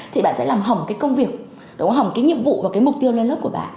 thì bạn sẽ làm hỏng cái công việc đó hỏng cái nhiệm vụ và cái mục tiêu lên lớp của bà